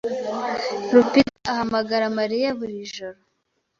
Rupita ahamagara Mariya buri joro.